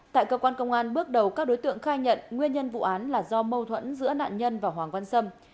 tại cơ quan công an bước đầu các đối tượng khai nhận nguyên nhân vụ án là do mâu thuẫn giữa nạn nhân và hoàng văn sâm